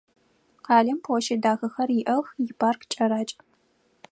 Къалэм площадь дахэхэр иӏэх, ипарк кӏэракӏ.